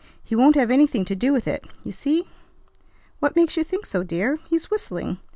"He won't have anything to do with it. You see!" "What makes you think so, dear? He's whistling.